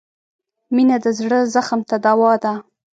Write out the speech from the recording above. • مینه د زړه زخم ته دوا ده.